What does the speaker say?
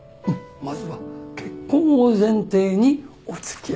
まずは結婚を前提にお付き合いから。